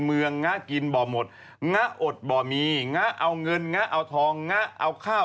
เอาหมดมาเดี๋ยวหนูเอาไปให้แม่สวดให้หนูก็ได้